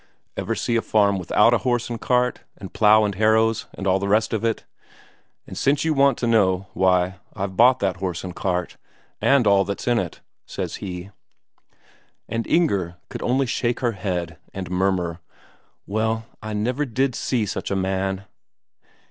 "Ever see a farm without a horse and cart, and plough and harrows, and all the rest of it? And since you want to know, why, I've bought that horse and cart, and all that's in it," says he. And Inger could only shake her head and murmur: "Well, I never did see such a man!"